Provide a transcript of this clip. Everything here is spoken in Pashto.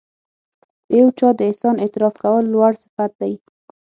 د یو چا د احسان اعتراف کول لوړ صفت دی.